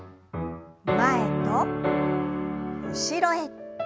前と後ろへ。